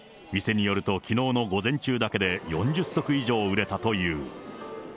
店によるときのうの午前中だけで４０足以上売れたという。